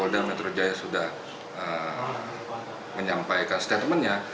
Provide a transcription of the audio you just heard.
polda metro jaya sudah menyampaikan statementnya